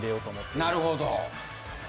なるほど。